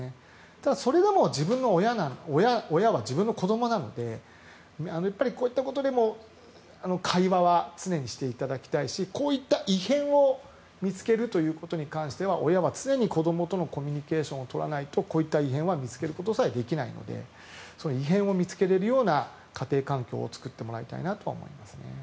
ただそれでも親は自分の子どもなのでこういったことでも会話は常にしていただきたいしこういった異変を見つけるということに関しては親は常に子どもとのコミュニケーションを取らないとこういった異変は見つけることさえできないので異変を見つけれるような家庭環境を作ってもらいたいなとは思いますね。